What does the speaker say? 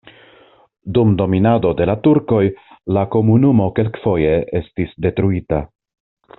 Dum dominado de la turkoj la komunumo kelkfoje estis detruita.